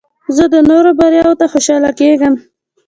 زه د نورو بریا ته خوشحاله کېږم.